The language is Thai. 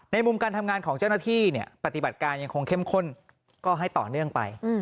มุมการทำงานของเจ้าหน้าที่ปฏิบัติการยังคงเข้มข้นก็ให้ต่อเนื่องไป